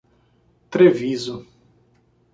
Treviso